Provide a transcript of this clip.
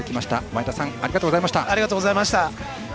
前田さんありがとうございました。